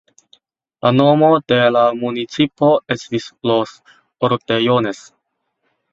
La nomo de la municipo estis "Los Ordejones".